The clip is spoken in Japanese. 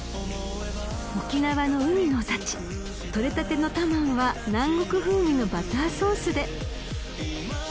［沖縄の海の幸取れたてのタマンは南国風味のバターソースで］